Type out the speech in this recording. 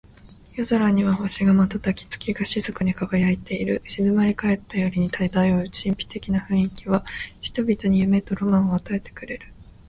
夜空には星が瞬き、月が静かに輝いている。静まり返った夜に漂う神秘的な雰囲気は、人々に夢とロマンを与えてくれる。